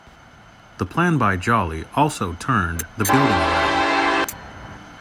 The plan by Joly also turned the building around.